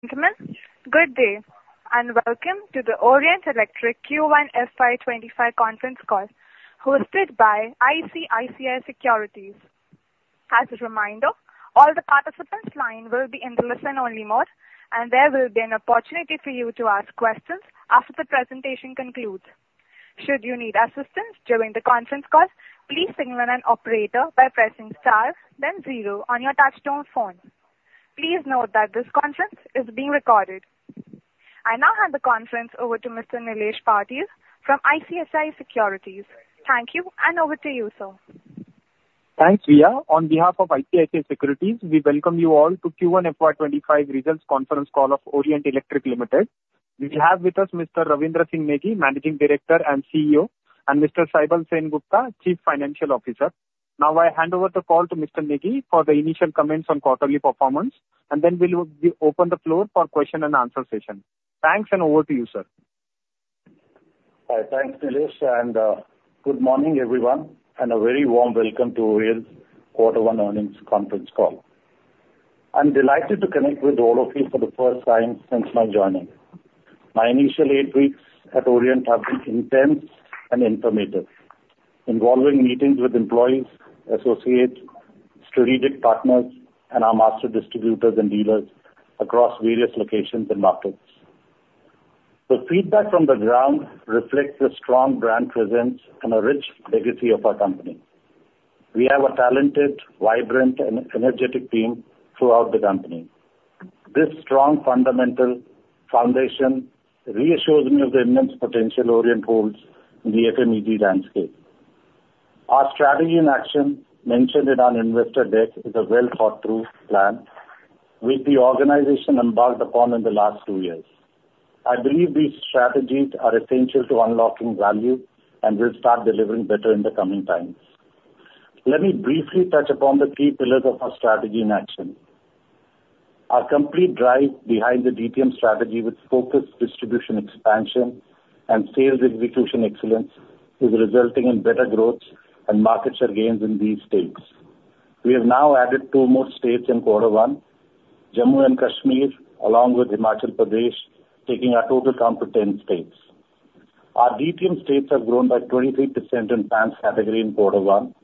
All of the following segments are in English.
Gentlemen, good day, and welcome to the Orient Electric Q1 FY 2025 conference call hosted by ICICI Securities. As a reminder, all the participants' lines will be in the listen-only mode, and there will be an opportunity for you to ask questions after the presentation concludes. Should you need assistance during the conference call, please signal an operator by pressing star, then zero on your touch-tone phone. Please note that this conference is being recorded. I now hand the conference over to Mr. Nilesh Patil from ICICI Securities. Thank you, and over to you, sir. Thanks, Priya. On behalf of ICICI Securities, we welcome you all to Q1 FY 2025 results conference call of Orient Electric Limited. We have with us Mr. Ravindra Singh Negi, Managing Director and CEO, and Mr. Saibal Sengupta, Chief Financial Officer. Now, I hand over the call to Mr. Negi for the initial comments on quarterly performance, and then we'll open the floor for question-and-answer session. Thanks, and over to you, sir. Thanks, Nilesh, and good morning, everyone, and a very warm welcome to Orient's quarter one earnings conference call. I'm delighted to connect with all of you for the first time since my joining. My initial eight weeks at Orient have been intense and informative, involving meetings with employees, associates, strategic partners, and our master distributors and dealers across various locations and markets. The feedback from the ground reflects the strong brand presence and a rich legacy of our company. We have a talented, vibrant, and energetic team throughout the company. This strong fundamental foundation reassures me of the immense potential Orient holds in the FMEG landscape. Our strategy in action, mentioned in our investor deck, is a well-thought-through plan, which the organization embarked upon in the last two years. I believe these strategies are essential to unlocking value and will start delivering better in the coming times. Let me briefly touch upon the key pillars of our strategy in action. Our complete drive behind the DTM strategy, with focused distribution expansion and sales execution excellence, is resulting in better growth and market share gains in these states. We have now added two more states in quarter one: Jammu and Kashmir, along with Himachal Pradesh, taking our total count to 10 states. Our DTM states have grown by 23% in fans category in quarter one,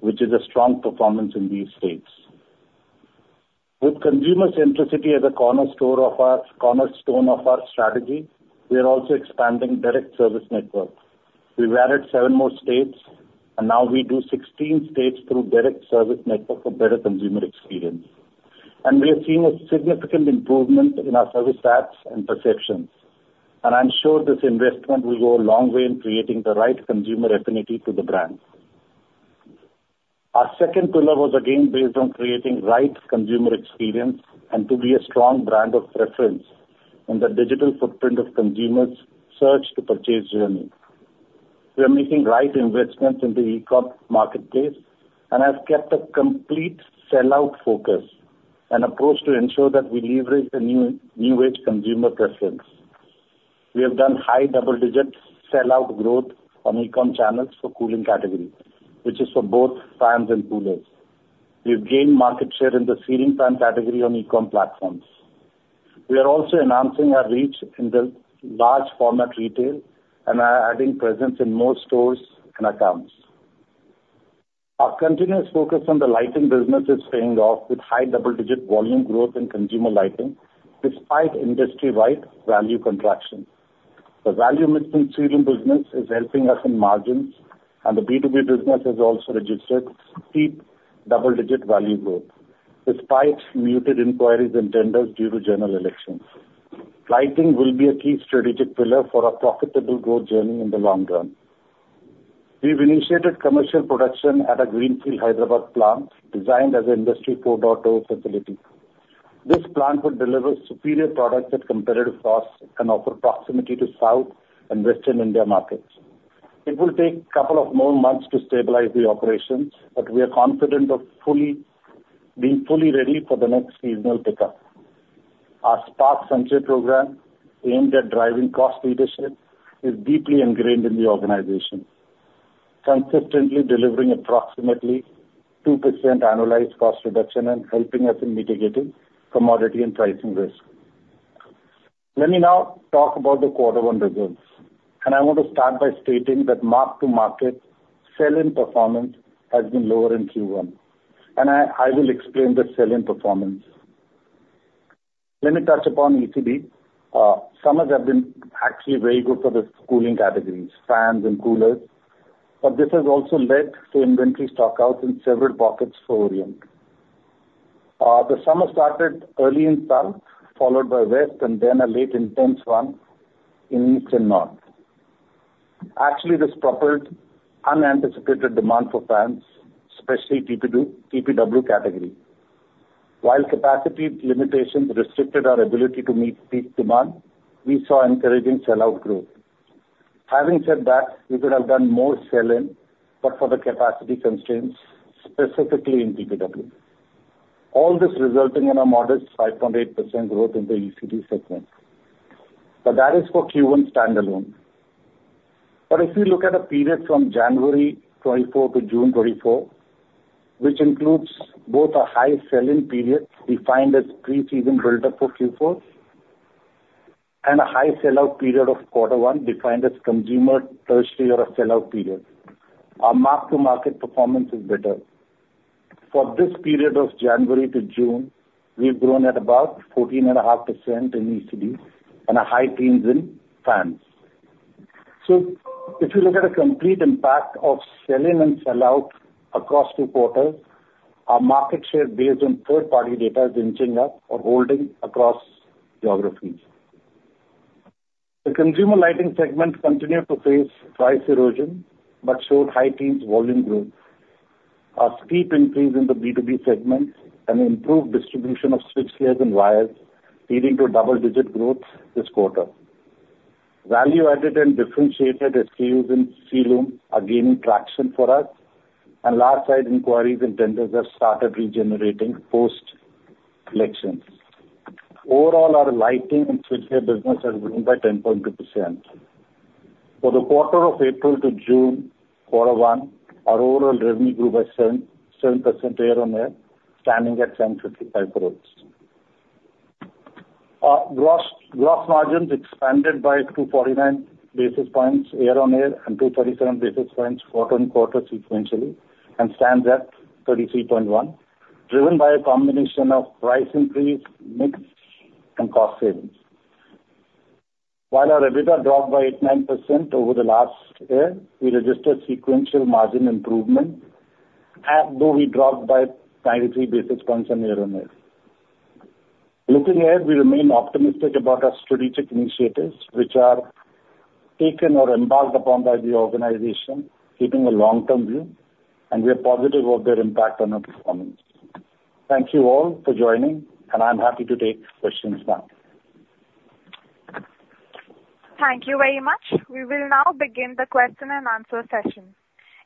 which is a strong performance in these states. With consumer centricity as a cornerstone of our strategy, we are also expanding direct service network. We've added seven more states, and now we do 16 states through direct service network for better consumer experience. We have seen a significant improvement in our service apps and perceptions. I'm sure this investment will go a long way in creating the right consumer affinity to the brand. Our second pillar was again based on creating right consumer experience and to be a strong brand of preference in the digital footprint of consumers' search to purchase journey. We are making right investments in the e-com marketplace and have kept a complete sellout focus and approach to ensure that we leverage the new age consumer preference. We have done high double-digit sellout growth on e-com channels for cooling category, which is for both fans and coolers. We have gained market share in the ceiling fan category on e-com platforms. We are also enhancing our reach in the large-format retail and are adding presence in more stores and accounts. Our continuous focus on the lighting business is paying off with high double-digit volume growth in consumer lighting, despite industry-wide value contraction. The value mix in the ceiling business is helping us in margins, and the B2B business has also registered steep double-digit value growth, despite muted inquiries and tenders due to general elections. Lighting will be a key strategic pillar for a profitable growth journey in the long run. We've initiated commercial production at a greenfield Hyderabad plant, designed as an Industry 4.0 facility. This plant would deliver superior products at competitive costs and offer proximity to South and West India markets. It will take a couple of more months to stabilize the operations, but we are confident of being fully ready for the next seasonal pickup. Our Project Sanchay program, aimed at driving cost leadership, is deeply ingrained in the organization, consistently delivering approximately 2% annualized cost reduction and helping us in mitigating commodity and pricing risk. Let me now talk about the quarter one results, and I want to start by stating that market sell-in performance has been lower in Q1, and I will explain the sell-in performance. Let me touch upon ECD. Summers have been actually very good for the cooling categories, fans and coolers, but this has also led to inventory stockouts in several pockets for Orient. The summer started early in South, followed by West, and then a late intense run in East and North. Actually, this propelled unanticipated demand for fans, especially TPW category. While capacity limitations restricted our ability to meet peak demand, we saw encouraging sellout growth. Having said that, we could have done more sell-in, but for the capacity constraints, specifically in TPW. All this resulting in a modest 5.8% growth in the ECD segment. But that is for Q1 standalone. But if we look at a period from January 2024 to June 2024, which includes both a high sell-in period defined as pre-season build-up for Q4 and a high sellout period of quarter one defined as consumer tertiary or a sellout period, our mark-to-market performance is better. For this period of January to June, we've grown at about 14.5% in ECD and a high teens in fans. So if you look at a complete impact of sell-in and sellout across two quarters, our market share based on third-party data is inching up or holding across geographies. The consumer lighting segment continued to face price erosion but showed high teens volume growth, a steep increase in the B2B segment, and improved distribution of switchgears and wires, leading to double-digit growth this quarter. Value-added and differentiated SKUs in Ceiling are gaining traction for us, and large-sized inquiries and tenders have started regenerating post-elections. Overall, our lighting and switchgears business has grown by 10.2%. For the quarter of April to June, quarter one, our overall revenue grew by 7% year-on-year, standing at 755 crores. Gross margins expanded by 249 basis points year-on-year and 237 basis points quarter-on-quarter sequentially and stands at 33.1%, driven by a combination of price increase, mix, and cost savings. While our EBITDA dropped by 89% over the last year, we registered sequential margin improvement, although we dropped by 93 basis points year-on-year. Looking ahead, we remain optimistic about our strategic initiatives, which are taken or embarked upon by the organization, keeping a long-term view, and we are positive about their impact on our performance. Thank you all for joining, and I'm happy to take questions now. Thank you very much. We will now begin the question-and-answer session.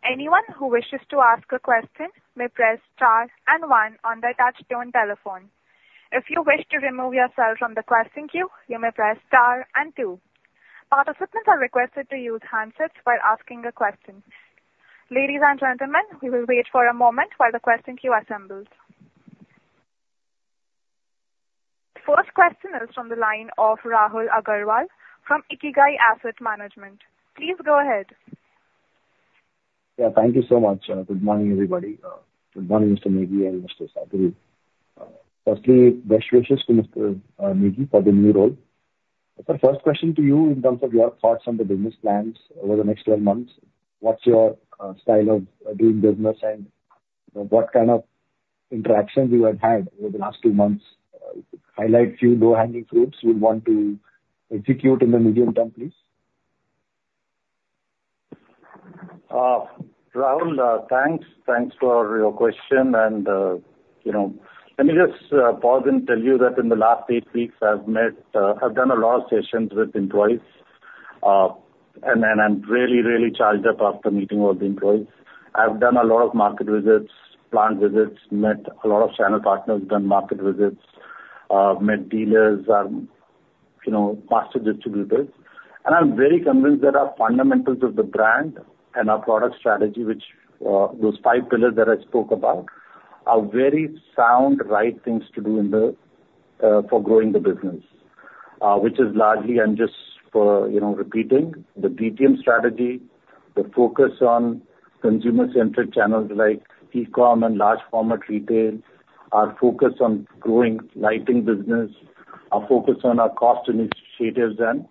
Anyone who wishes to ask a question may press star and one on the touch-tone telephone. If you wish to remove yourself from the question queue, you may press star and two. Participants are requested to use handsets while asking a question. Ladies and gentlemen, we will wait for a moment while the question queue assembles. The first question is from the line of Rahul Agarwal from Ikigai Asset Management. Please go ahead. Yeah, thank you so much. Good morning, everybody. Good morning, Mr. Negi and Mr. Saibal. Firstly, best wishes to Mr. Negi for the new role. So first question to you in terms of your thoughts on the business plans over the next 12 months. What's your style of doing business and what kind of interactions you have had over the last two months? Highlight a few low-hanging fruits you would want to execute in the medium term, please. Rahul, thanks. Thanks for your question. And let me just pause and tell you that in the last eight weeks, I've done a lot of sessions with employees, and I'm really, really charged up after meeting all the employees. I've done a lot of market visits, plant visits, met a lot of channel partners, done market visits, met dealers, master distributors. And I'm very convinced that our fundamentals of the brand and our product strategy, which those five pillars that I spoke about, are very sound, right things to do for growing the business, which is largely, I'm just repeating, the DTM strategy, the focus on consumer-centric channels like e-com and large-format retail, our focus on growing lighting business, our focus on our cost initiatives and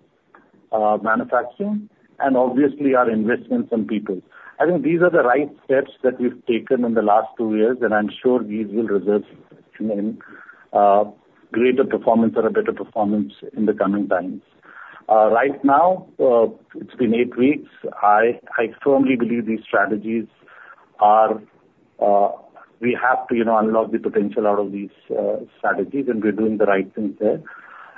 manufacturing, and obviously, our investments in people. I think these are the right steps that we've taken in the last two years, and I'm sure these will result in greater performance or a better performance in the coming times. Right now, it's been eight weeks. I firmly believe these strategies are we have to unlock the potential out of these strategies, and we're doing the right things there.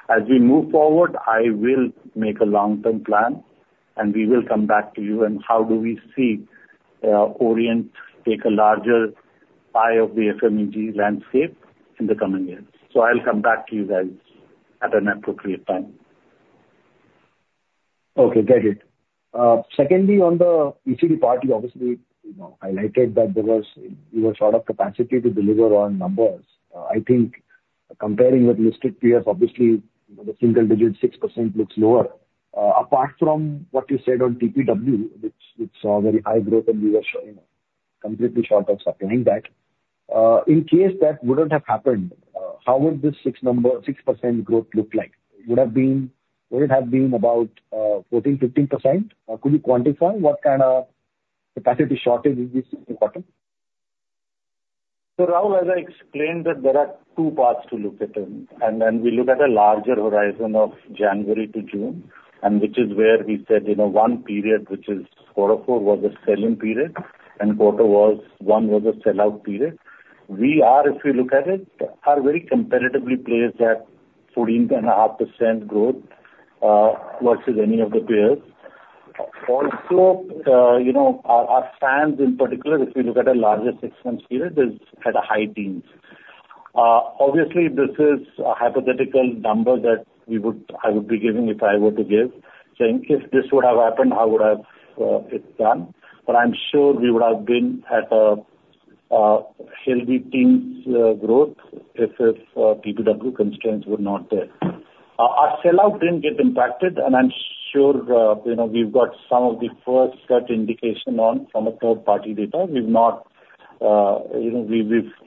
As we move forward, I will make a long-term plan, and we will come back to you on how do we see Orient take a larger pie of the FMEG landscape in the coming years. So I'll come back to you guys at an appropriate time. Okay, got it. Secondly, on the ECD party, obviously, I liked it that there was short of capacity to deliver on numbers. I think comparing with listed peers, obviously, the single-digit 6% looks lower. Apart from what you said on TPW, which saw very high growth, and we were completely short of supplying that. In case that wouldn't have happened, how would this 6% growth look like? Would it have been about 14, 15%? Could you quantify what kind of capacity shortage is this in the quarter? So Rahul, as I explained, there are two parts to look at. And then we look at a larger horizon of January to June, which is where we said one period, which is quarter four, was a sell-in period, and quarter one was a sell-out period. We are, if you look at it, very competitively placed at 14.5% growth versus any of the peers. Also, our fans, in particular, if we look at a larger six-month period, is at a high teens. Obviously, this is a hypothetical number that I would be giving if I were to give. So in case this would have happened, how would I have it done? But I'm sure we would have been at a healthy teens growth if TPW constraints were not there. Our sell-out didn't get impacted, and I'm sure we've got some of the first gut indication on from a third-party data. We've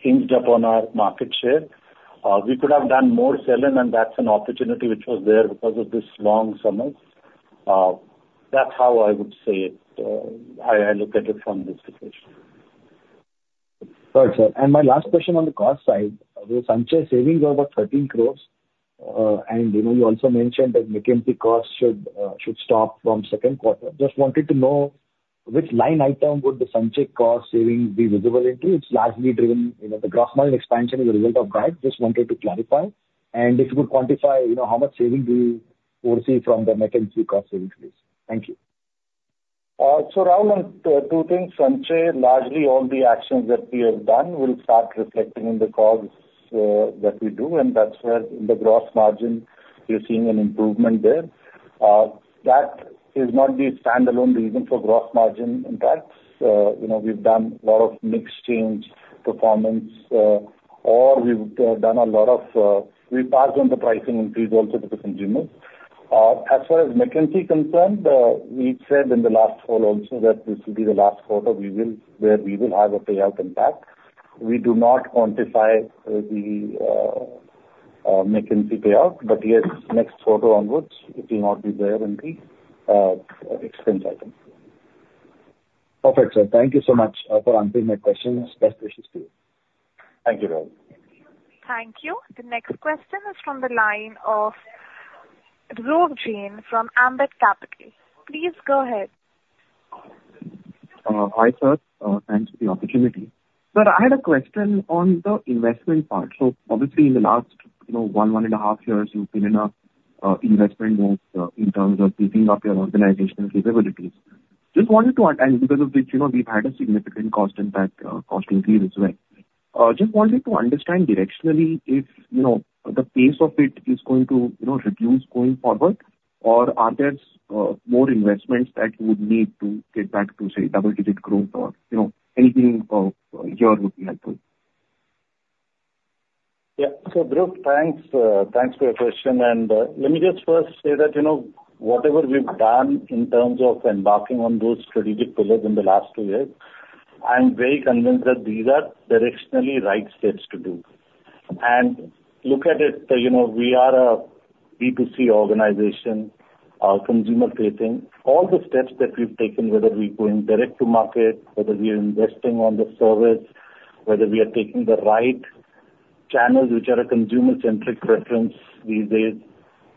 inched up on our market share. We could have done more sell-in, and that's an opportunity which was there because of this long summer. That's how I would say it. I look at it from this situation. Perfect. My last question on the cost side. The Sanchay savings are about 13 crore, and you also mentioned that McKinsey costs should stop from second quarter. Just wanted to know which line item would the Sanchay cost savings be visible into? It's largely driven the gross margin expansion as a result of that. Just wanted to clarify. And if you could quantify how much savings do you foresee from the McKinsey cost savings, please? Thank you. So Rahul, two things. Sanchay, largely all the actions that we have done will start reflecting in the calls that we do, and that's where the gross margin, you're seeing an improvement there. That is not the standalone reason for gross margin impacts. We've done a lot of mix change performance, or we've passed on the pricing increase also to the consumers. As far as McKinsey is concerned, we said in the last call also that this will be the last quarter where we will have a payout impact. We do not quantify the McKinsey payout, but yes, next quarter onwards, it will not be there in the expense item. Perfect, sir. Thank you so much for answering my questions. Best wishes to you. Thank you, Rahul. Thank you. The next question is from the line of Dhruv Jain from Ambit Capital. Please go ahead. Hi, sir. Thanks for the opportunity. Sir, I had a question on the investment part. So obviously, in the last one, one and a half years, you've been in an investment in terms of beating up your organizational capabilities. Just wanted to add, and because of this, we've had a significant cost impact, cost increase as well. Just wanted to understand directionally if the pace of it is going to reduce going forward, or are there more investments that you would need to get back to, say, double-digit growth, or anything here would be helpful? Yeah. So, Dhruv, thanks. Thanks for your question. Let me just first say that whatever we've done in terms of embarking on those strategic pillars in the last two years, I'm very convinced that these are directionally right steps to do. Look at it, we are a B2C organization, consumer-facing. All the steps that we've taken, whether we're going direct to market, whether we're investing on the service, whether we are taking the right channels, which are a consumer-centric preference these days,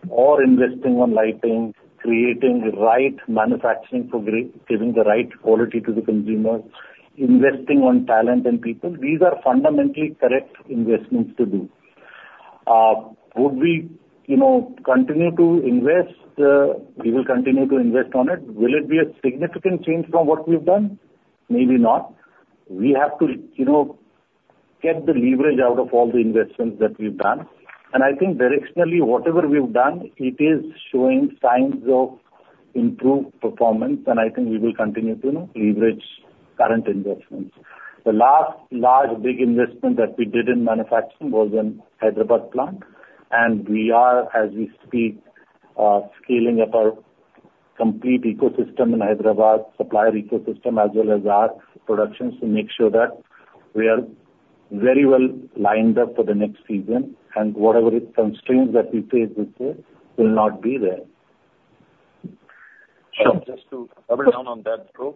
or investing on lighting, creating the right manufacturing for giving the right quality to the consumer, investing on talent and people, these are fundamentally correct investments to do. Would we continue to invest? We will continue to invest on it. Will it be a significant change from what we've done? Maybe not. We have to get the leverage out of all the investments that we've done. I think directionally, whatever we've done, it is showing signs of improved performance, and I think we will continue to leverage current investments. The last large big investment that we did in manufacturing was in Hyderabad plant, and we are, as we speak, scaling up our complete ecosystem in Hyderabad, supplier ecosystem, as well as our productions to make sure that we are very well lined up for the next season. Whatever constraints that we face this year will not be there. Sure. Just to double down on that, Dhruv,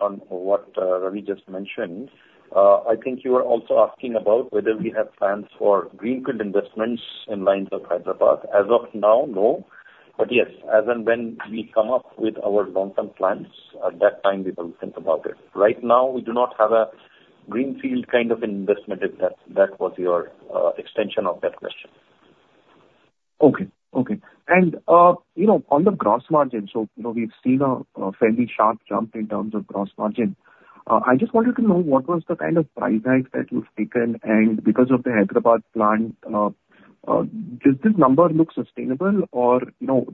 on what Ravi just mentioned, I think you were also asking about whether we have plans for greenfield investments in lines of Hyderabad. As of now, no. But yes, as and when we come up with our long-term plans, at that time, we will think about it. Right now, we do not have a greenfield kind of investment if that was your extension of that question. Okay. Okay. And on the gross margin, so we've seen a fairly sharp jump in terms of gross margin. I just wanted to know what was the kind of price tag that you've taken, and because of the Hyderabad plant, does this number look sustainable, or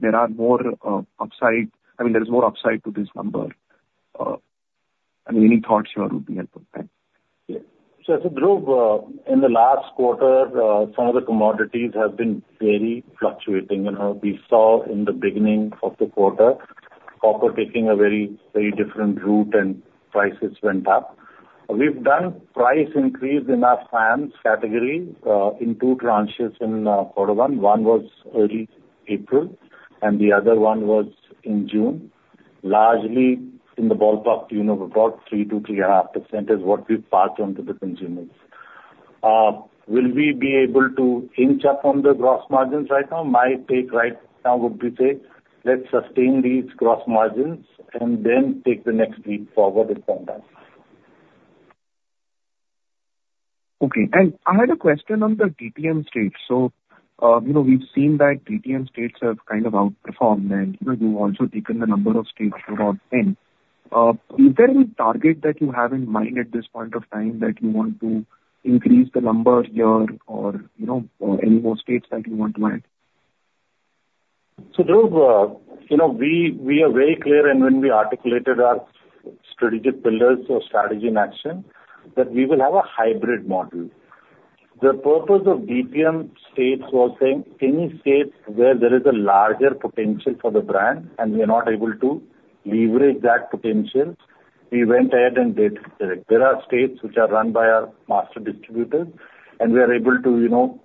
there are more upside? I mean, there's more upside to this number. I mean, any thoughts here would be helpful. Thanks. Yeah. So Dhruv, in the last quarter, some of the commodities have been very fluctuating. We saw in the beginning of the quarter, copper taking a very different route, and prices went up. We've done price increase in our fans category in two tranches in quarter one. One was early April, and the other one was in June. Largely in the ballpark, about 3%-3.5% is what we've passed on to the consumers. Will we be able to inch up on the gross margins right now? My take right now would be to say, let's sustain these gross margins and then take the next leap forward if that's done. Okay. And I had a question on the DTM states. So we've seen that DTM states have kind of outperformed, and you've also taken the number of states to about 10. Is there any target that you have in mind at this point of time that you want to increase the number here or any more states that you want to add? So Dhruv, we are very clear, and when we articulated our strategic pillars or strategy in action, that we will have a hybrid model. The purpose of DTM states was saying any states where there is a larger potential for the brand and we are not able to leverage that potential, we went ahead and did it. There are states which are run by our master distributors, and we are able to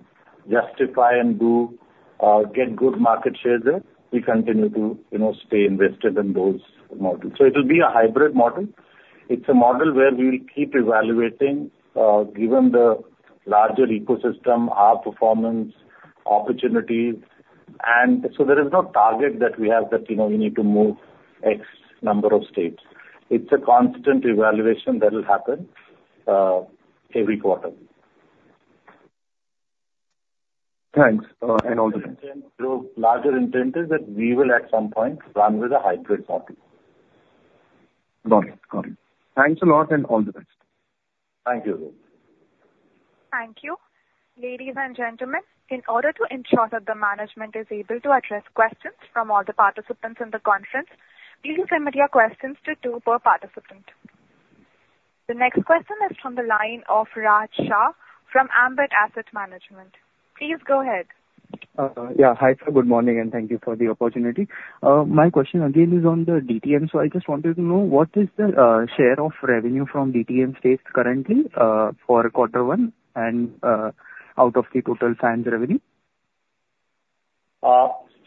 justify and get good market shares there. We continue to stay invested in those models. So it will be a hybrid model. It's a model where we will keep evaluating, given the larger ecosystem, our performance, opportunities. And so there is no target that we have that we need to move X number of states. It's a constant evaluation that will happen every quarter. Thanks. All the best. Larger intent is that we will at some point run with a hybrid model. Got it. Got it. Thanks a lot and all the best. Thank you, Dhruv. Thank you. Ladies and gentlemen, in order to ensure that the management is able to address questions from all the participants in the conference, please submit your questions to two per participant. The next question is from the line of Raj Shah from Ambit Asset Management. Please go ahead. Yeah. Hi, sir. Good morning, and thank you for the opportunity. My question again is on the DTM. I just wanted to know what is the share of revenue from DTM states currently for quarter one and out of the total fans revenue?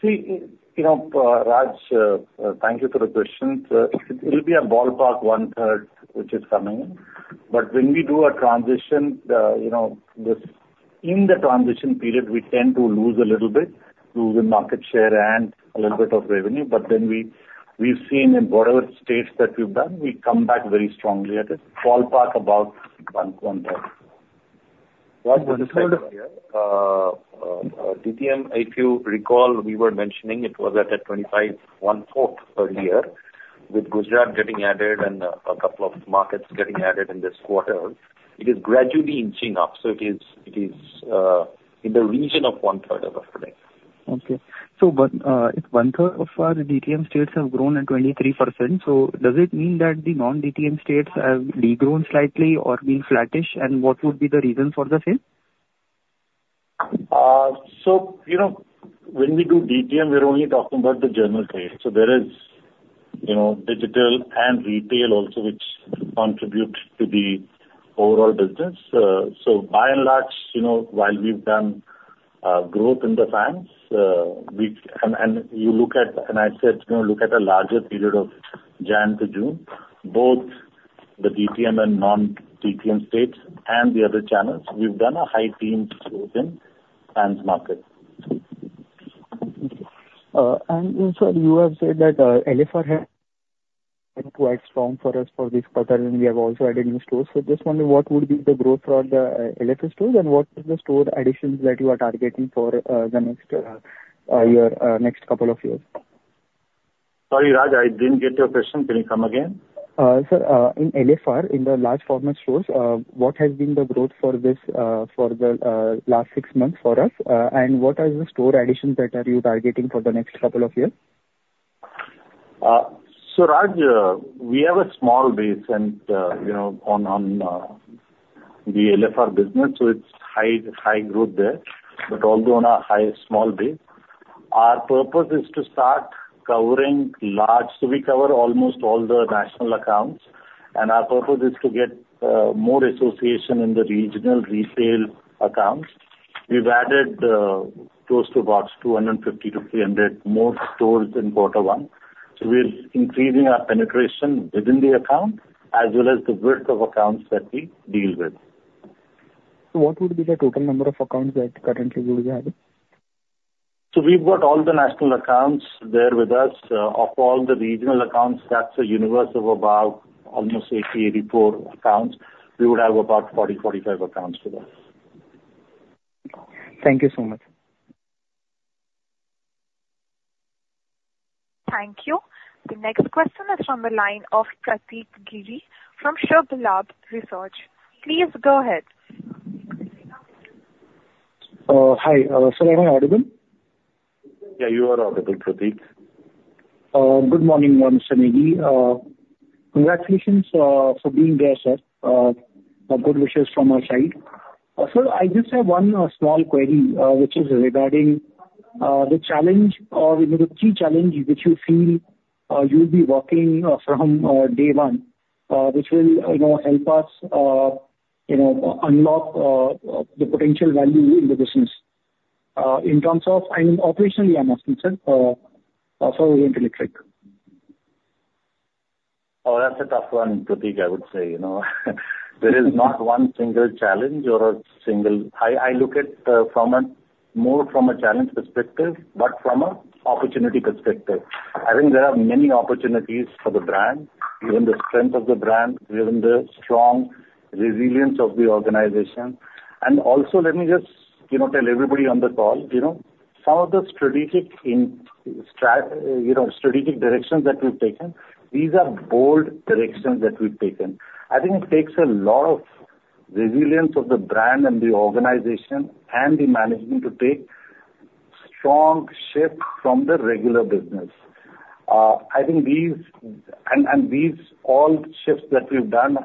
See, Raj, thank you for the question. It'll be a ballpark 1/3 which is coming. But when we do a transition, in the transition period, we tend to lose a little bit, lose in market share and a little bit of revenue. But then we've seen in whatever states that we've done, we come back very strongly at it, ballpark about 1/3. What was the third of the year? DTM, if you recall, we were mentioning it was at 25, 1/4 earlier with Gujarat getting added and a couple of markets getting added in this quarter. It is gradually inching up. So it is in the region of 1/3 of the product. Okay. So if 1/3 of our DTM states have grown at 23%, so does it mean that the non-DTM states have degrown slightly or been flattish? And what would be the reasons for the sales? So when we do DTM, we're only talking about the general trade. So there is digital and retail also which contribute to the overall business. So by and large, while we've done growth in the fans, and you look at, and I said, look at a larger period of January to June, both the DTM and non-DTM states and the other channels, we've done a high teens growth in fans market. Sir, you have said that LFR has been quite strong for us for this quarter, and we have also added new stores. Just wonder what would be the growth for the LFR stores and what are the store additions that you are targeting for the next couple of years? Sorry, Raj, I didn't get your question. Can you come again? Sir, in LFR, in the large format stores, what has been the growth for this for the last six months for us? What are the store additions that are you targeting for the next couple of years? Raj, we have a small base on the LFR business, so it's high growth there. But although on a small base, our purpose is to start covering large. We cover almost all the national accounts, and our purpose is to get more association in the regional retail accounts. We've added close to about 250-300 more stores in quarter one. We're increasing our penetration within the account as well as the width of accounts that we deal with. What would be the total number of accounts that currently would you have? So we've got all the national accounts there with us. Of all the regional accounts, that's a universe of about almost 80-84 accounts. We would have about 40-45 accounts with us. Thank you so much. Thank you. The next question is from the line of Prateek Giri from Subh Labh Research. Please go ahead. Hi. Sir, am I audible? Yeah, you are audible, Prateek. Good morning, Mr. Negi. Congratulations for being there, sir. Good wishes from our side. Sir, I just have one small query which is regarding the challenge or the key challenge which you feel you'll be working from day one, which will help us unlock the potential value in the business in terms of, I mean, operationally, I'm asking, sir, for Orient Electric. Oh, that's a tough one, Prateek, I would say. There is not one single challenge or a single I look at more from a challenge perspective, but from an opportunity perspective. I think there are many opportunities for the brand, given the strength of the brand, given the strong resilience of the organization. And also, let me just tell everybody on the call, some of the strategic directions that we've taken, these are bold directions that we've taken. I think it takes a lot of resilience of the brand and the organization and the management to take strong shift from the regular business. I think these and these all shifts that we've done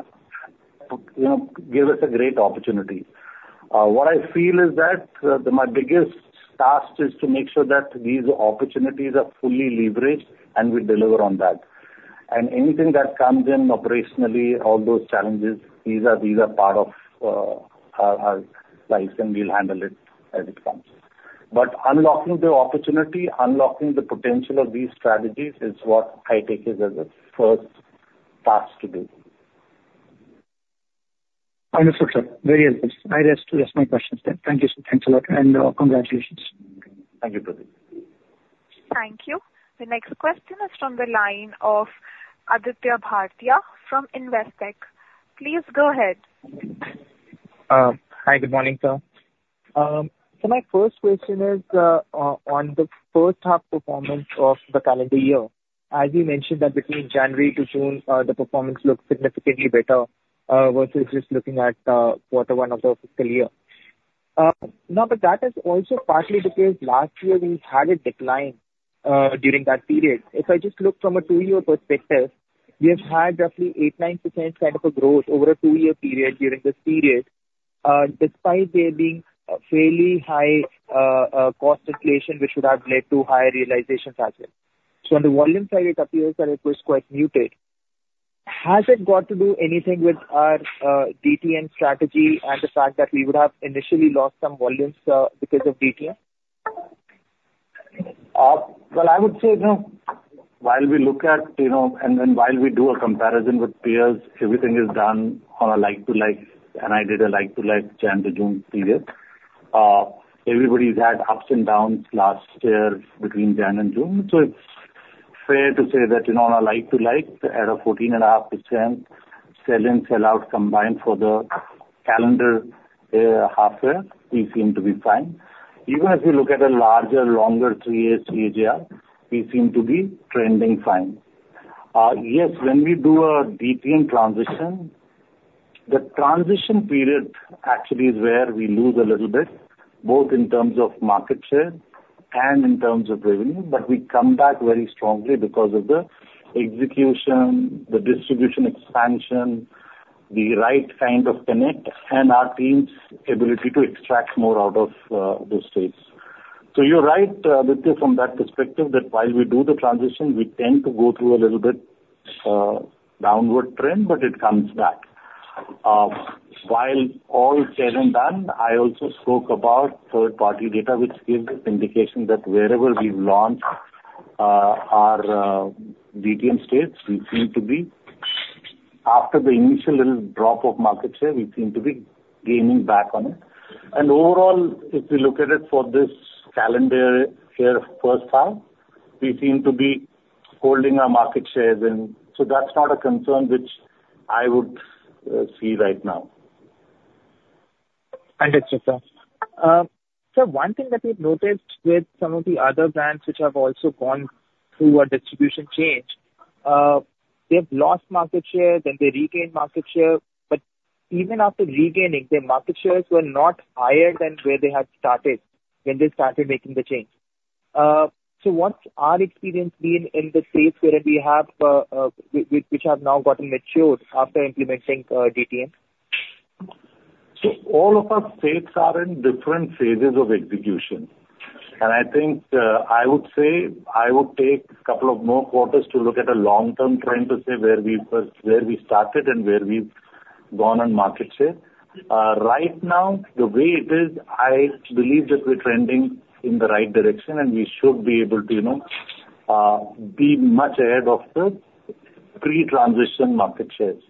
give us a great opportunity. What I feel is that my biggest task is to make sure that these opportunities are fully leveraged and we deliver on that. Anything that comes in operationally, all those challenges, these are part of our life, and we'll handle it as it comes. Unlocking the opportunity, unlocking the potential of these strategies is what I take as the first task to do. Understood, sir. Very helpful. I rest my questions there. Thank you, sir. Thanks a lot. And congratulations. Thank you, Prateek. Thank you. The next question is from the line of Aditya Bhartia from Investec. Please go ahead. Hi, good morning, sir. So my first question is on the first half performance of the calendar year. As you mentioned that between January to June, the performance looked significantly better versus just looking at quarter one of the fiscal year. Now, but that is also partly because last year we had a decline during that period. If I just look from a two-year perspective, we have had roughly 8%-9% kind of a growth over a two-year period during this period, despite there being fairly high cost inflation, which would have led to higher realizations as well. So on the volume side, it appears that it was quite muted. Has it got to do anything with our DTM strategy and the fact that we would have initially lost some volumes because of DTM? Well, I would say no. While we look at and then while we do a comparison with peers, everything is done on a like-to-like, and I did a like-to-like January to June period. Everybody's had ups and downs last year between January and June. So it's fair to say that on a like-to-like, at a 14.5% sell-in, sell-out combined for the calendar half year, we seem to be fine. Even if we look at a larger, longer three-year CAGR, we seem to be trending fine. Yes, when we do a DTM transition, the transition period actually is where we lose a little bit, both in terms of market share and in terms of revenue, but we come back very strongly because of the execution, the distribution expansion, the right kind of connect, and our team's ability to extract more out of those states. So you're right, Aditya, from that perspective that while we do the transition, we tend to go through a little bit downward trend, but it comes back. While all sell-in and sell-out, I also spoke about third-party data, which gives us indication that wherever we've launched our DTM states, we seem to be after the initial little drop of market share, we seem to be gaining back on it. And overall, if we look at it for this calendar year first half, we seem to be holding our market share then. So that's not a concern which I would see right now. Understood, sir. Sir, one thing that we've noticed with some of the other brands which have also gone through a distribution change, they've lost market share, then they regained market share. But even after regaining, their market shares were not higher than where they had started when they started making the change. So what's our experience been in the states where we have which have now gotten matured after implementing DTM? All of our states are in different phases of execution. I think I would say I would take a couple of more quarters to look at a long-term trend to say where we started and where we've gone on market share. Right now, the way it is, I believe that we're trending in the right direction, and we should be able to be much ahead of the pre-transition market shares.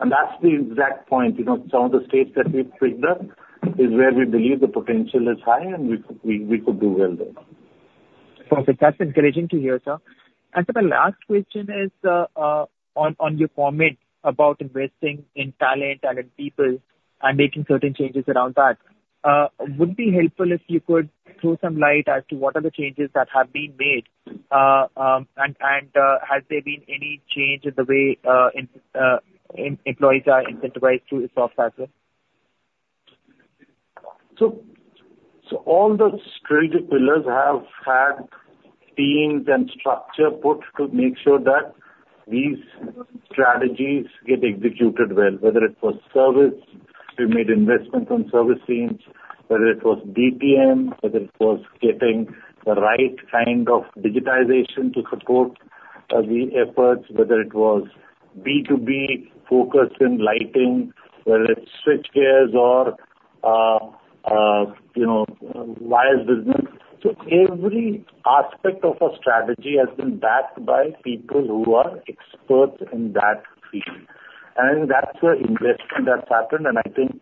That's the exact point. Some of the states that we've picked up is where we believe the potential is high, and we could do well there. Perfect. That's encouraging to hear, sir. And so the last question is on your comment about investing in talent and in people and making certain changes around that. Would it be helpful if you could throw some light as to what are the changes that have been made? And has there been any change in the way employees are incentivized to ESOPs as well? All the strategic pillars have had teams and structure put to make sure that these strategies get executed well, whether it was service, we made investments on service teams, whether it was DTM, whether it was getting the right kind of digitization to support the efforts, whether it was B2B focus in lighting, whether it's switchgears or wires business. Every aspect of our strategy has been backed by people who are experts in that field. I think that's the investment that's happened. I think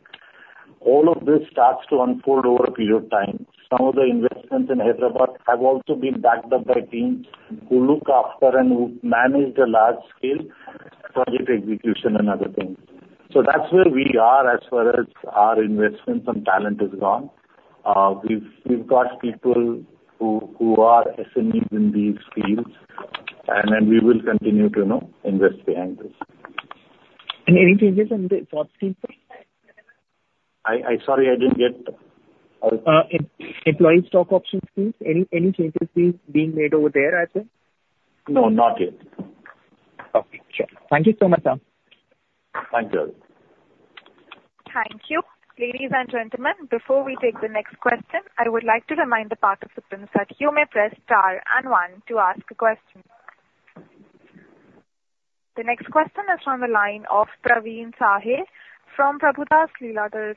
all of this starts to unfold over a period of time. Some of the investments in Hyderabad have also been backed up by teams who look after and who manage the large-scale project execution and other things. That's where we are as far as our investments and talent is gone. We've got people who are SMEs in these fields, and we will continue to invest behind this. Any changes in the stock options? I'm sorry, I didn't get the. Employee stock options, please. Any changes being made over there as well? No, not yet. Okay. Sure. Thank you so much, sir. Thank you. Thank you. Ladies and gentlemen, before we take the next question, I would like to remind the participants that you may press star and one to ask a question. The next question is from the line of Praveen Sahay from Prabhudas Lilladher.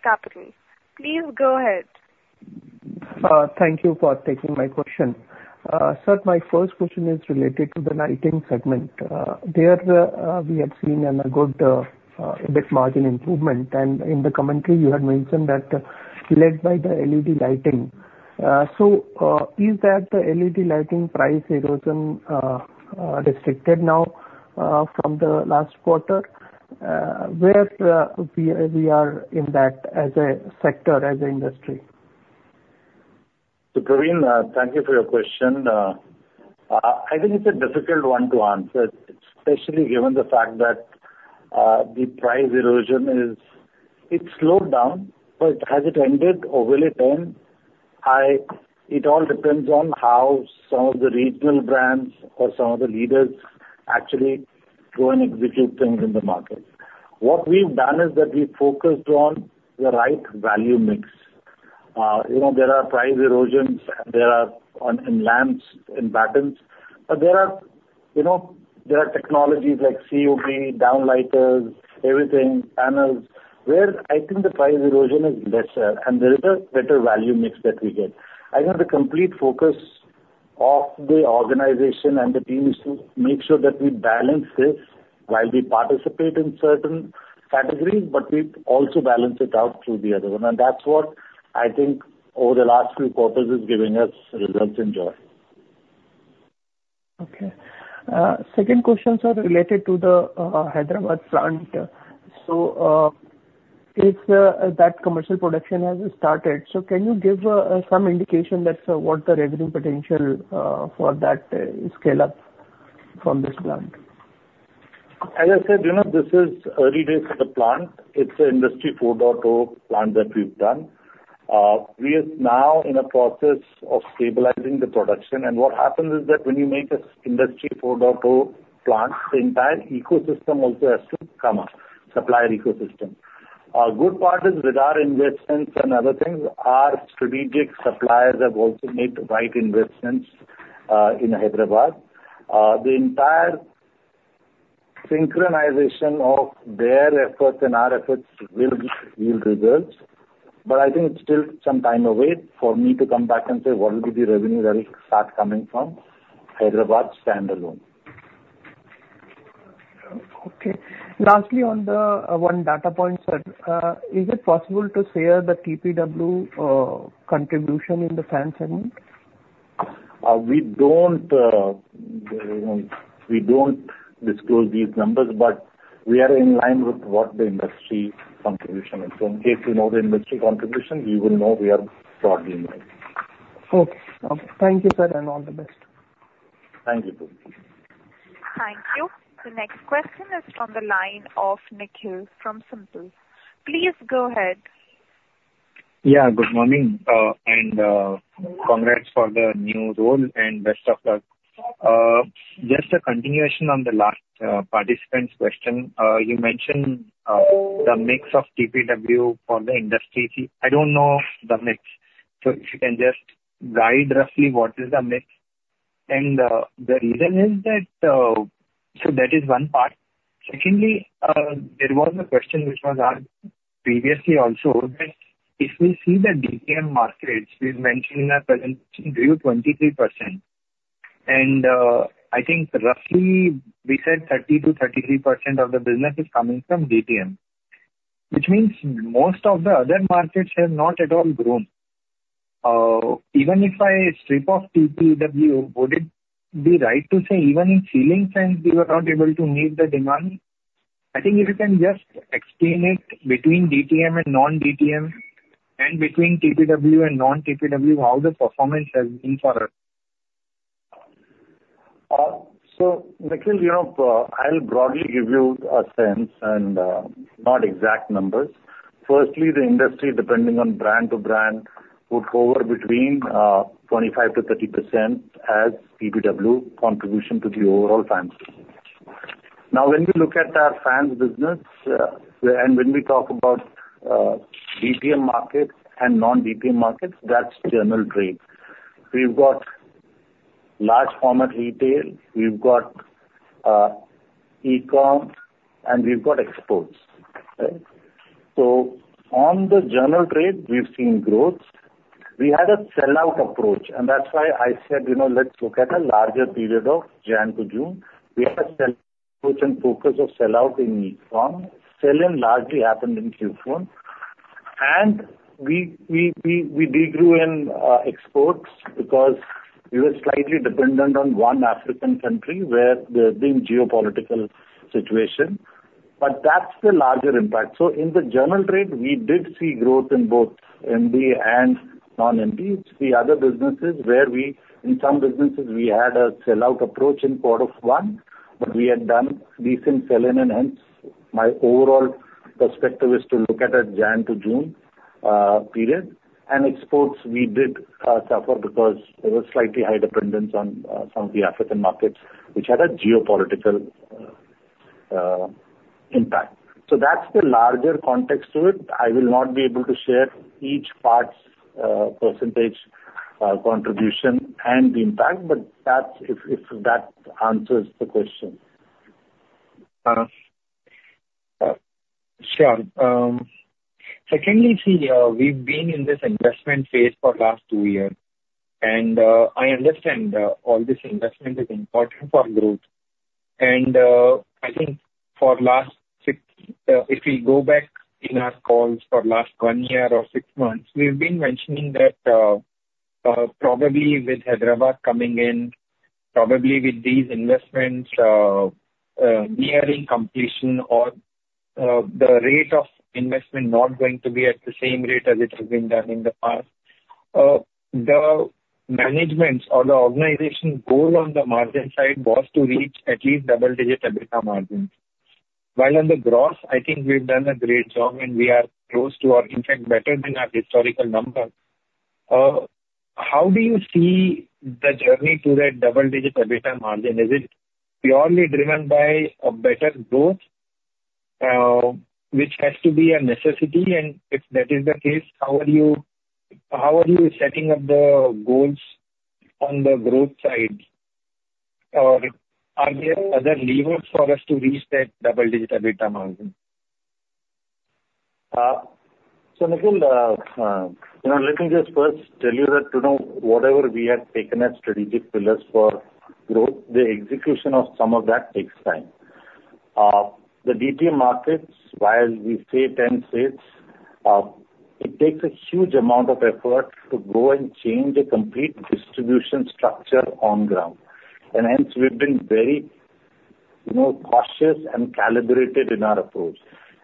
Please go ahead. Thank you for taking my question. Sir, my first question is related to the lighting segment. There we have seen a good EBIT margin improvement. And in the commentary, you had mentioned that led by the LED lighting. So is that the LED lighting price erosion restricted now from the last quarter? Where we are in that as a sector, as an industry? So Praveen, thank you for your question. I think it's a difficult one to answer, especially given the fact that the price erosion is, it's slowed down, but has it ended or will it end? It all depends on how some of the regional brands or some of the leaders actually go and execute things in the market. What we've done is that we focused on the right value mix. There are price erosions, and there are in lamps, in battens. But there are technologies like COB downlighters, everything, panels, where I think the price erosion is lesser, and there is a better value mix that we get. I think the complete focus of the organization and the team is to make sure that we balance this while we participate in certain categories, but we also balance it out through the other one. That's what I think over the last few quarters is giving us results in joy. Okay. Second question, sir, related to the Hyderabad front. So that commercial production has started. So can you give some indication as to what the revenue potential for that scale-up from this plant? As I said, this is early days of the plant. It's an Industry 4.0 plant that we've done. We are now in a process of stabilizing the production. And what happens is that when you make an Industry 4.0 plant, the entire ecosystem also has to come up, supplier ecosystem. Good part is with our investments and other things, our strategic suppliers have also made the right investments in Hyderabad. The entire synchronization of their efforts and our efforts will yield results. But I think it's still some time away for me to come back and say, "What will be the revenue that will start coming from Hyderabad standalone? Okay. Lastly, on the one data point, sir, is it possible to share the TPW contribution in the fan segment? We don't disclose these numbers, but we are in line with what the industry contribution is. So in case you know the industry contribution, you will know we are broadly in line. Okay. Thank you, sir, and all the best. Thank you. Thank you. The next question is from the line of Nikhil from SIMPL. Please go ahead. Yeah, good morning. And congrats for the new role, and best of luck. Just a continuation on the last participant's question. You mentioned the mix of TPW for the industry. I don't know the mix. So if you can just guide roughly what is the mix. And the reason is that so that is one part. Secondly, there was a question which was asked previously also, that if we see the DTM markets, we've mentioned in our presentation grew 23%. And I think roughly we said 30%-33% of the business is coming from DTM, which means most of the other markets have not at all grown. Even if I strip off TPW, would it be right to say even in ceiling fans, we were not able to meet the demand? I think if you can just explain it between DTM and non-DTM, and between TPW and non-TPW, how the performance has been for us. So Nikhil, I'll broadly give you a sense and not exact numbers. Firstly, the industry, depending on brand to brand, would hover between 25%-30% as TPW contribution to the overall fan segment. Now, when we look at our fans business, and when we talk about DTM markets and non-DTM markets, that's general trade. We've got large-format retail, we've got e-com, and we've got exports. So on the general trade, we've seen growth. We had a sell-out approach, and that's why I said, "Let's look at a larger period of January to June." We had a sell-out approach and focus of sell-out in e-com. Sell-in largely happened in Q4. And we did grow in exports because we were slightly dependent on one African country where there had been geopolitical situation. But that's the larger impact. So in the general trade, we did see growth in both MD and non-MD. It's the other businesses where we in some businesses, we had a sell-out approach in quarter one, but we had done decent sell-in, and hence my overall perspective is to look at a January to June period. And exports, we did suffer because there was slightly high dependence on some of the African markets, which had a geopolitical impact. So that's the larger context to it. I will not be able to share each part's percentage contribution and the impact, but that's if that answers the question. Sure. Secondly, we've been in this investment phase for the last two years. I understand all this investment is important for growth. I think for the last six if we go back in our calls for the last one year or six months, we've been mentioning that probably with Hyderabad coming in, probably with these investments nearing completion, or the rate of investment not going to be at the same rate as it has been done in the past, the management or the organization goal on the margin side was to reach at least double-digit EBITDA margins. While on the growth, I think we've done a great job, and we are close to, or in fact, better than our historical number. How do you see the journey to that double-digit EBITDA margin? Is it purely driven by a better growth, which has to be a necessity? If that is the case, how are you setting up the goals on the growth side? Or are there other levers for us to reach that double-digit EBITDA margin? So Nikhil, let me just first tell you that whatever we had taken as strategic pillars for growth, the execution of some of that takes time. The DTM markets, while we say 10 states, it takes a huge amount of effort to go and change a complete distribution structure on ground. And hence, we've been very cautious and calibrated in our approach.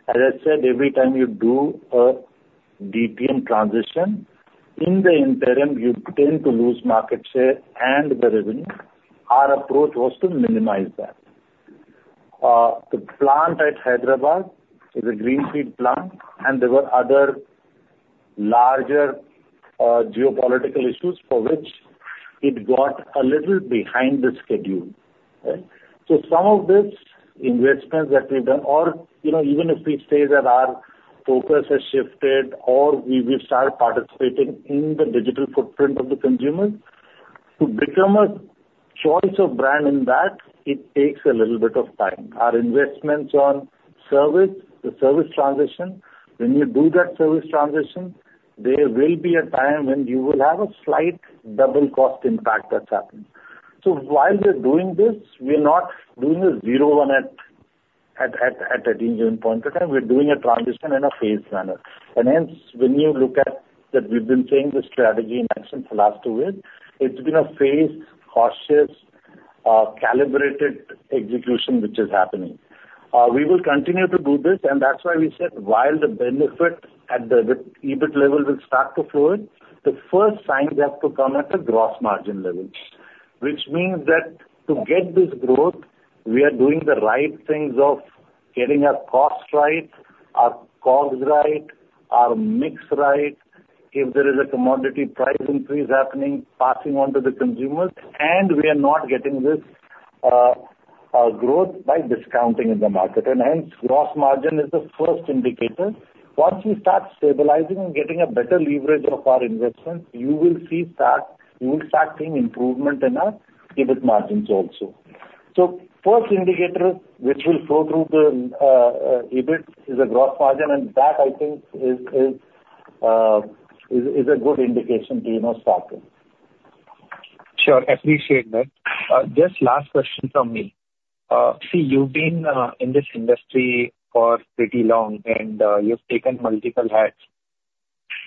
As I said, every time you do a DTM transition, in the interim, you tend to lose market share and the revenue. Our approach was to minimize that. The plant at Hyderabad is a greenfield plant, and there were other larger geopolitical issues for which it got a little behind schedule. So some of these investments that we've done, or even if we say that our focus has shifted, or we've started participating in the digital footprint of the consumer, to become a choice of brand in that, it takes a little bit of time. Our investments on service, the service transition, when you do that service transition, there will be a time when you will have a slight double-cost impact that's happening. So while we're doing this, we're not doing a zero-one at any point of time. We're doing a transition in a phased manner. And hence, when you look at that, we've been saying the strategy in action for the last two years, it's been a phased, cautious, calibrated execution which is happening. We will continue to do this. And that's why we said, while the benefit at the EBIT level will start to flow in, the first signs have to come at the gross margin level, which means that to get this growth, we are doing the right things of getting our cost right, our cost right, our mix right. If there is a commodity price increase happening, passing on to the consumers, and we are not getting this growth by discounting in the market. And hence, gross margin is the first indicator. Once we start stabilizing and getting a better leverage of our investments, you will start seeing improvement in our EBIT margins also. So first indicator which will flow through the EBIT is a gross margin. And that, I think, is a good indication to start with. Sure. Appreciate that. Just last question from me. See, you've been in this industry for pretty long, and you've taken multiple hats.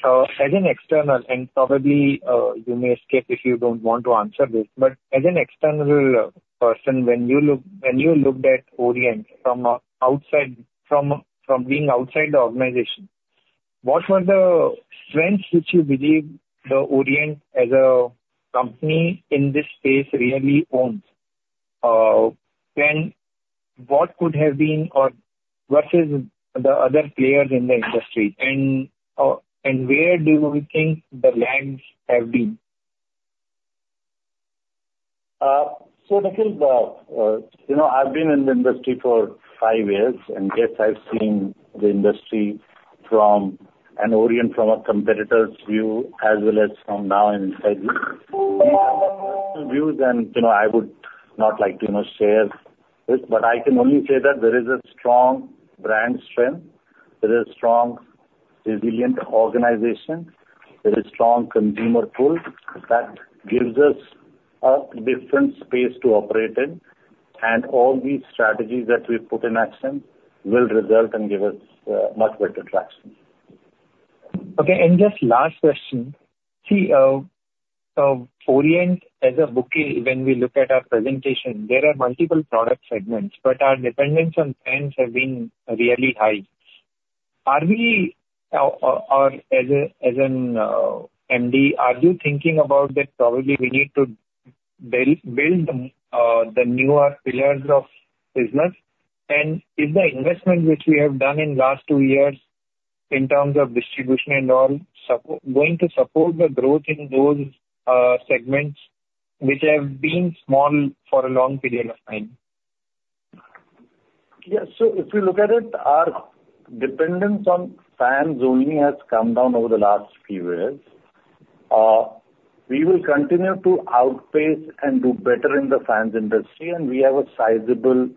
As an external, and probably you may skip if you don't want to answer this, but as an external person, when you looked at Orient from being outside the organization, what were the strengths which you believe the Orient as a company in this space really owns? What could have been versus the other players in the industry? And where do you think the lags have been? So, Nikhil, I've been in the industry for five years, and yes, I've seen the industry from Orient, from a competitor's view as well as from an inside view. I would not like to share this, but I can only say that there is a strong brand strength. There is a strong resilient organization. There is a strong consumer pool that gives us a different space to operate in. All these strategies that we put in action will result and give us much better traction. Okay. And just last question. See, Orient as a bouquet, when we look at our presentation, there are multiple product segments, but our dependence on fans has been really high. As an MD, are you thinking about that probably we need to build the newer pillars of business? And is the investment which we have done in the last two years in terms of distribution and all going to support the growth in those segments which have been small for a long period of time? Yes. So if you look at it, our dependence on fans only has come down over the last few years. We will continue to outpace and do better in the fans industry, and we have a sizable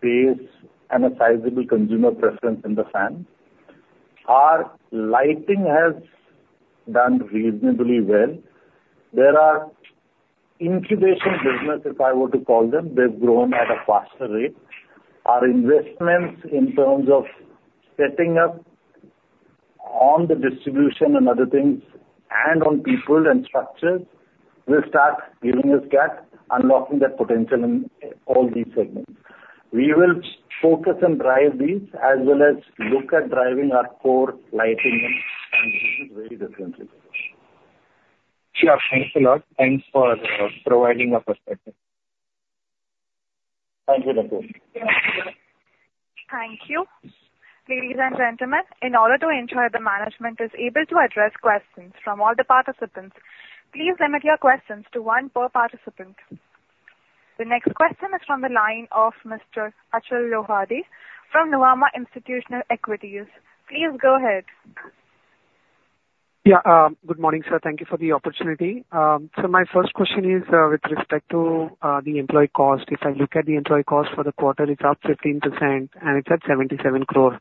base and a sizable consumer preference in the fans. Our lighting has done reasonably well. There are incubation businesses, if I were to call them. They've grown at a faster rate. Our investments in terms of setting up on the distribution and other things and on people and structures will start giving us gap, unlocking that potential in all these segments. We will focus and drive these as well as look at driving our core lighting and business very differently. Sure. Thanks a lot. Thanks for providing your perspective. Thank you, Nikhil. Thank you. Ladies and gentlemen, in order to ensure the management is able to address questions from all the participants, please limit your questions to one per participant. The next question is from the line of Mr. Achal Lohade from Nuvama Wealth. Please go ahead. Yeah. Good morning, sir. Thank you for the opportunity. So my first question is with respect to the employee cost. If I look at the employee cost for the quarter, it's up 15%, and it's at 77 crore.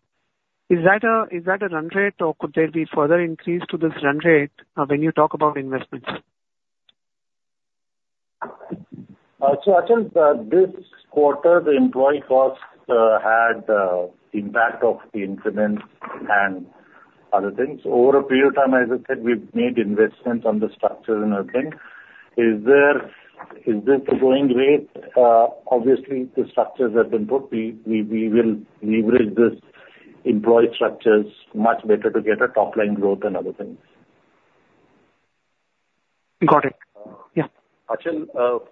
Is that a run rate, or could there be further increase to this run rate when you talk about investments? So Achal, this quarter, the employee cost had impact of the increments and other things. Over a period of time, as I said, we've made investments on the structure and everything. Is this the going rate? Obviously, the structures have been put. We will leverage these employee structures much better to get a top-line growth and other things. Got it. Yeah. Achal,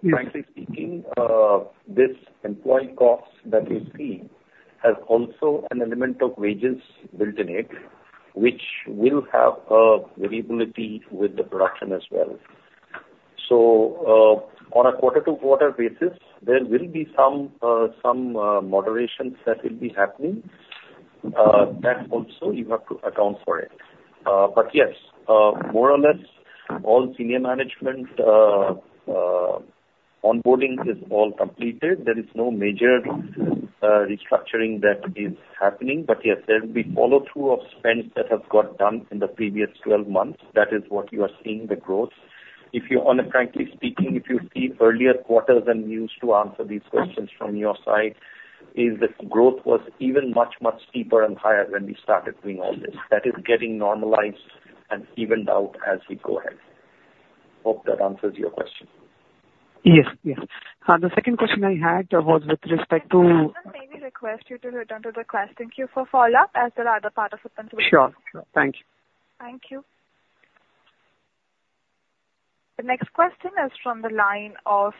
frankly speaking, this employee cost that we see has also an element of wages built in it, which will have a variability with the production as well. So on a quarter-to-quarter basis, there will be some moderations that will be happening. That also, you have to account for it. But yes, more or less, all senior management onboarding is all completed. There is no major restructuring that is happening. But yes, there will be follow-through of spends that have got done in the previous 12 months. That is what you are seeing, the growth. If you honestly, frankly speaking, if you see earlier quarters and news to answer these questions from your side, the growth was even much, much steeper and higher when we started doing all this. That is getting normalized and evened out as we go ahead. Hope that answers your question. Yes. Yes. The second question I had was with respect to. Any request you do, return to the question. Thank you for following up, as well as the other part of the presentation. Sure. Sure. Thank you. Thank you. The next question is from the line of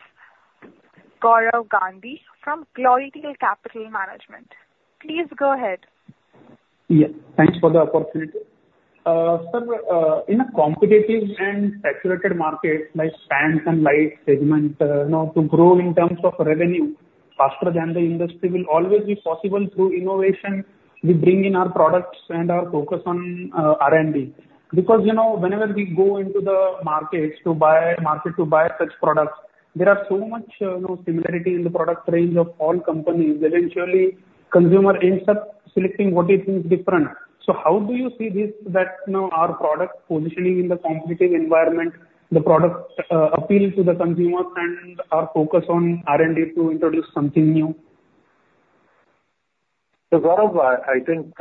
Gaurav Gandhi from Glorytail Capital Management. Please go ahead. Yes. Thanks for the opportunity. Sir, in a competitive and saturated market, like fans and lighting segment, to grow in terms of revenue faster than the industry will always be possible through innovation. We bring in our products and our focus on R&D because whenever we go into the market to buy such products, there are so much similarity in the product range of all companies. Eventually, consumer ends up selecting what he thinks is different. So how do you see this, that our product positioning in the competitive environment, the product appeal to the consumers, and our focus on R&D to introduce something new? So Gaurav, I think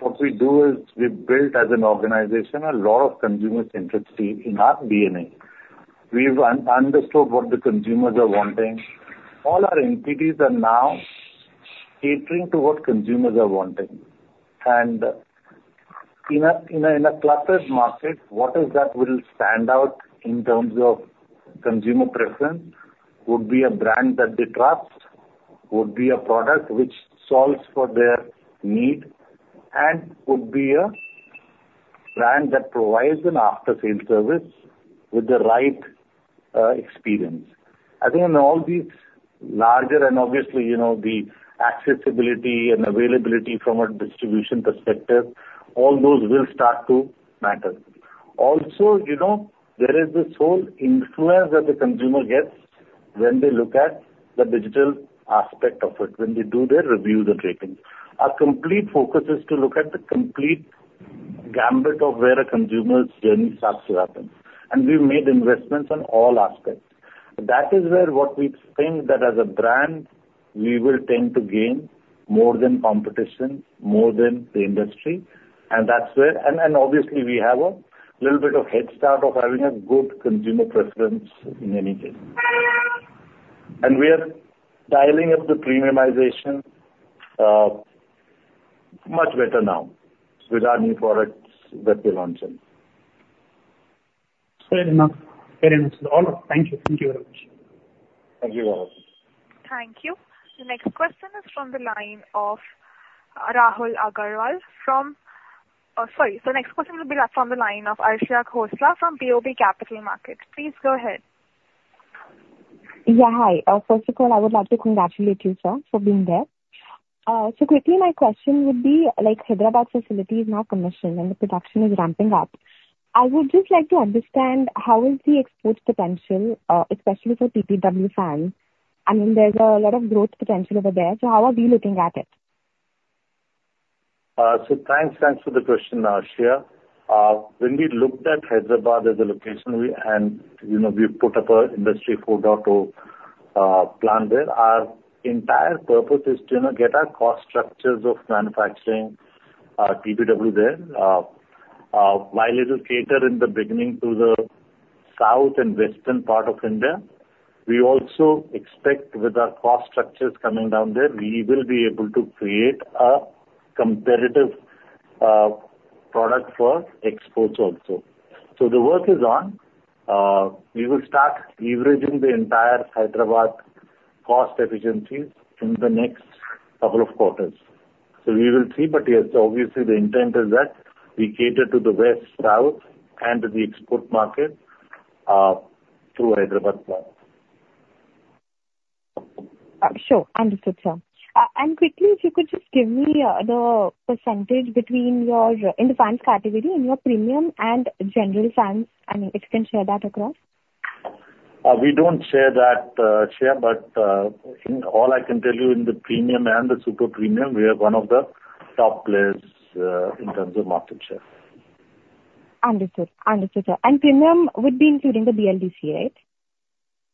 what we do is we've built as an organization a lot of consumers' interest in our DNA. We've understood what the consumers are wanting. All our entities are now catering to what consumers are wanting. And in a cluttered market, what is that will stand out in terms of consumer preference would be a brand that they trust, would be a product which solves for their need, and would be a brand that provides an after-sales service with the right experience. I think in all these larger and obviously, the accessibility and availability from a distribution perspective, all those will start to matter. Also, there is this whole influence that the consumer gets when they look at the digital aspect of it, when they do their reviews and ratings. Our complete focus is to look at the complete gamut of where a consumer's journey starts to happen. And we've made investments on all aspects. That is where what we think that as a brand, we will tend to gain more than competition, more than the industry. And obviously, we have a little bit of head start of having a good consumer preference in any case. And we are dialing up the premiumization much better now with our new products that we launched. Very much. Very much. Thank you. Thank you very much. Thank you, Gaurav. Thank you. The next question is from the line of Rahul Agarwal from sorry. So the next question will be from the line of Arshia Khosla from BOB Capital Markets. Please go ahead. Yeah. Hi. First of all, I would like to congratulate you, sir, for being there. So quickly, my question would be like Hyderabad facility is now commissioned and the production is ramping up. I would just like to understand how is the export potential, especially for TPW fans? I mean, there's a lot of growth potential over there. So how are we looking at it? So thanks for the question, Arshia. When we looked at Hyderabad as a location, and we've put up an Industry 4.0 plan there, our entire purpose is to get our cost structures of manufacturing TPW there. While it will cater in the beginning to the South and West part of India, we also expect with our cost structures coming down there, we will be able to create a competitive product for exports also. So the work is on. We will start leveraging the entire Hyderabad cost efficiencies in the next couple of quarters. So we will see. But yes, obviously, the intent is that we cater to the West, South, and the export market through Hyderabad plant. Sure. Understood, sir. Quickly, if you could just give me the percentage between your in the fans category and your premium and general fans, and if you can share that across. We don't share that share, but all I can tell you in the premium and the super premium, we are one of the top players in terms of market share. Understood. Understood, sir. And premium would be including the BLDC, right?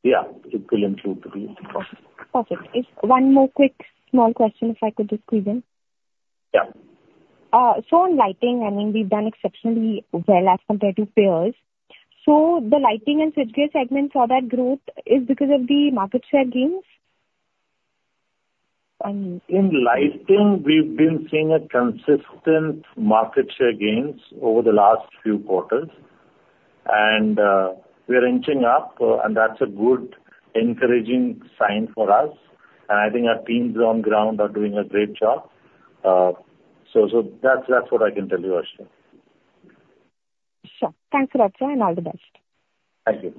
Yeah. It will include the BLDC. Perfect. One more quick small question, if I could just squeeze in. Yeah. On lighting, I mean, we've done exceptionally well as compared to peers. The lighting and switchgear segments saw that growth. Is it because of the market share gains? In lighting, we've been seeing consistent market share gains over the last few quarters. And we're inching up, and that's a good encouraging sign for us. And I think our teams on the ground are doing a great job. So that's what I can tell you, Arshia. Sure. Thanks a lot, sir, and all the best. Thank you.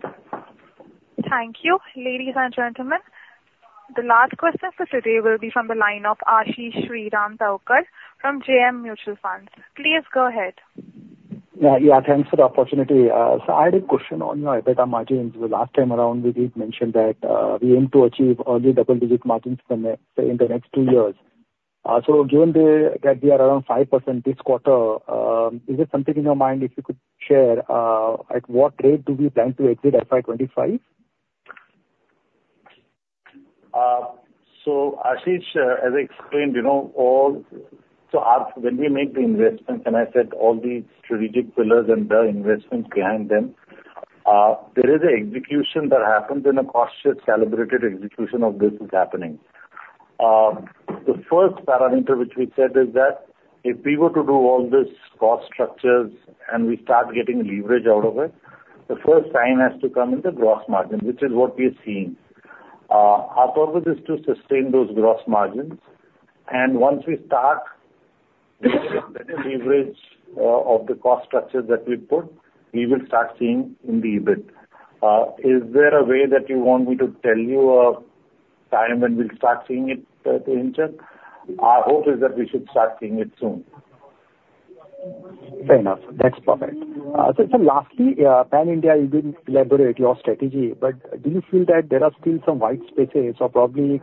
Thank you. Ladies and gentlemen, the last question for today will be from the line of Ashish Chaturmohta from JM Mutual Fund. Please go ahead. Yeah. Yeah. Thanks for the opportunity. So I had a question on your EBITDA margins. The last time around, we did mention that we aim to achieve early double-digit margins in the next two years. So given that we are around 5% this quarter, is there something in your mind if you could share at what rate do we plan to exit FY 2025? So, Ashish, as I explained, so when we make the investments, and I said all the strategic pillars and the investments behind them, there is an execution that happens in a cost-shared calibrated execution of this is happening. The first parameter which we said is that if we were to do all these cost structures and we start getting leverage out of it, the first sign has to come in the gross margin, which is what we are seeing. Our purpose is to sustain those gross margins. And once we start with the leverage of the cost structures that we put, we will start seeing in the EBIT. Is there a way that you want me to tell you a time when we'll start seeing it in terms? Our hope is that we should start seeing it soon. Fair enough. That's perfect. So lastly, Pan-India, you did elaborate your strategy, but do you feel that there are still some white spaces or probably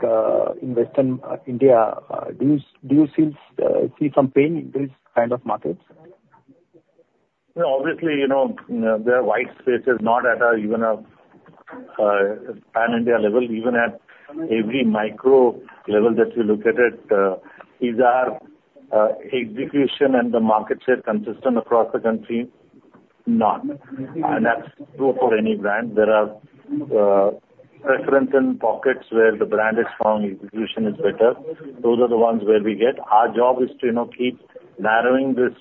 in Western India? Do you see some pain in these kind of markets? Obviously, there are white spaces, not even at a Pan-India level, even at every micro level that you look at it. These are execution and the market share consistent across the country? No. And that's true for any brand. There are preferences in pockets where the brand is strong, execution is better. Those are the ones where we get. Our job is to keep narrowing this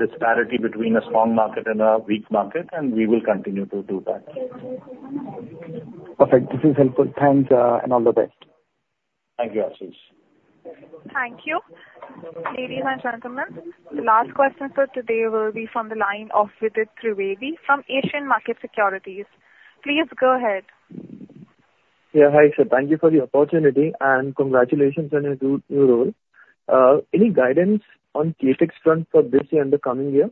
disparity between a strong market and a weak market, and we will continue to do that. Perfect. This is helpful. Thanks and all the best. Thank you, Ashish. Thank you. Ladies and gentlemen, the last question for today will be from the line of Vidit Trivedi from Asian Markets Securities. Please go ahead. Yeah. Hi, sir. Thank you for the opportunity and congratulations on your new role. Any guidance on CapEx front for this year and the coming year?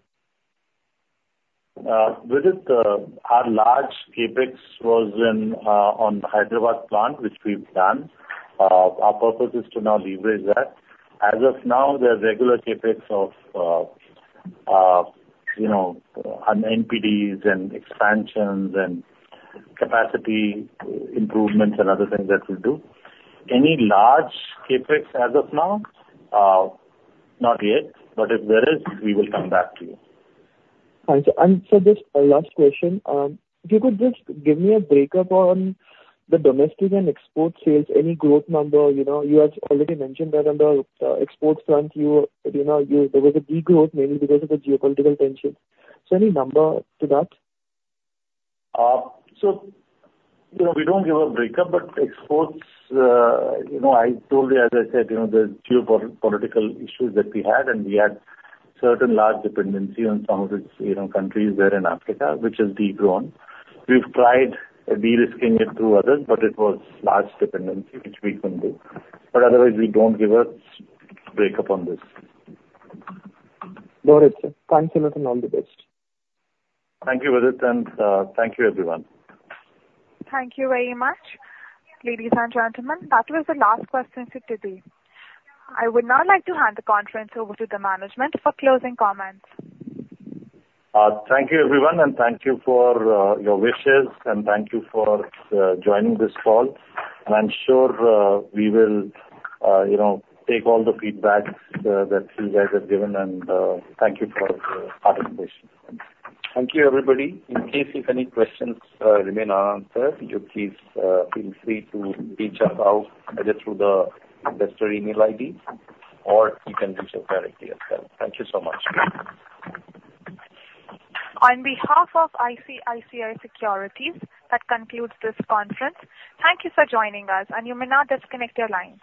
Vidit, our large CapEx was on the Hyderabad plant, which we've done. Our purpose is to now leverage that. As of now, there are regular CapEx of NPDs and expansions and capacity improvements and other things that we do. Any large CapEx as of now? Not yet. But if there is, we will come back to you. Just a last question. If you could just give me a break-up on the domestic and export sales, any growth number? You have already mentioned that on the export front, there was a degrowth mainly because of the geopolitical tensions. Any number to that? So we don't give a break-up, but exports, I told you, as I said, there's geopolitical issues that we had, and we had certain large dependency on some of these countries there in Africa, which has de-grown. We've tried de-risking it through others, but it was large dependency, which we couldn't do. But otherwise, we don't give a break-up on this. Got it, sir. Thanks a lot and all the best. Thank you, Vidit, and thank you, everyone. Thank you very much. Ladies and gentlemen, that was the last question for today. I would now like to hand the conference over to the management for closing comments. Thank you, everyone, and thank you for your wishes, and thank you for joining this call. I'm sure we will take all the feedback that you guys have given, and thank you for the participation. Thank you, everybody. In case if any questions remain unanswered, you please feel free to reach us out either through the investor email ID or you can reach us directly as well. Thank you so much. On behalf of ICICI Securities, that concludes this conference. Thank you for joining us, and you may now disconnect your line.